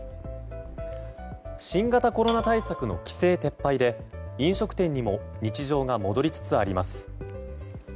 新型コロナ対策の規制撤廃で飲食店にも日常が戻りつつあります。